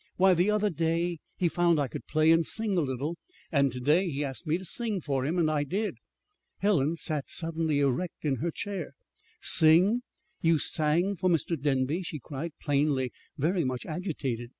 Why, the other day he found I could play and sing a little, and to day he asked me to sing for him. And I did." Helen sat suddenly erect in her chair. "Sing? You sang for Mr. Denby?" she cried, plainly very much agitated.